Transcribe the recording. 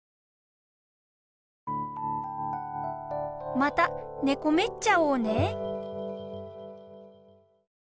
・またねこめっちゃおうね。